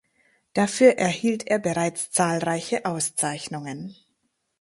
Dafür erhielt er bereits zahlreiche Auszeichnungen.